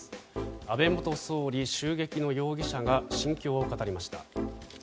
安倍元総理襲撃の容疑者が心境を語りました。